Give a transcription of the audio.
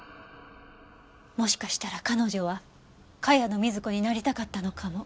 もしかしたら彼女は茅野瑞子になりたかったのかも。